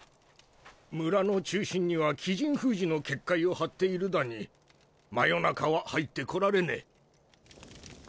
村の中心には鬼神封じの結界を張っているだに魔夜中は入ってこられねえ。